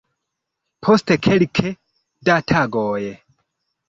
Post kelke da tagoj.